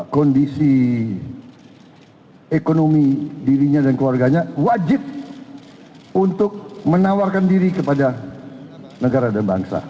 kondisi ekonomi dirinya dan keluarganya wajib untuk menawarkan diri kepada negara dan bangsa